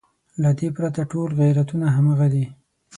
له دې پرته ټول غیرتونه همغه دي.